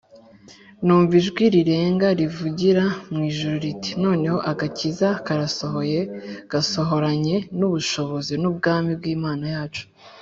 Numva ijwi rirenga rivugira mu Ijuru riti: Noneho agakiza karasohoye gasohoranye n'ubushobozi n'ubwami bw'Imana yacu